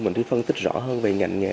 mình đi phân tích rõ hơn về ngành nghề